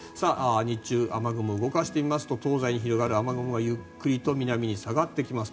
日中、雨雲を動かしてみますと東西に広がる雨雲がゆっくりと南に下がってきます。